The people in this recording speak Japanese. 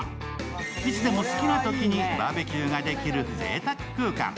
いつでも好きなときにバーベキューができるぜいたく空間。